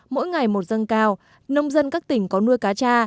mỗi ngày một dâng cao nông dân các tỉnh có nuôi cá cha